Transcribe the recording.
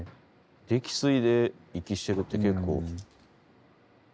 溺水で息してるって結構。